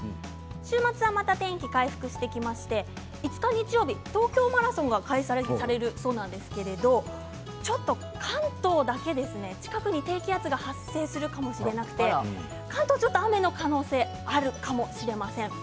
週末はお天気が回復して５日日曜日東京マラソンが開催されるそうなんですけれどちょっと関東だけ近くに低気圧が発生するかもしれなくて関東はちょっと雨の可能性があるかもしれません。